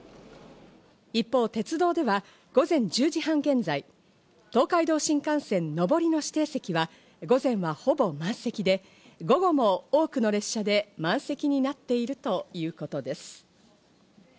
一方、鉄道では午前１０時半現在、東海道新幹線上りの指定席は午前はほぼ満席で、午後も多くの列車で満席となっているということです。